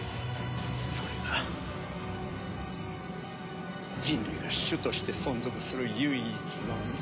それが人類が種として存続する唯一の道。